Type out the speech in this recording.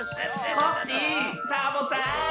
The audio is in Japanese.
コッシーサボさん！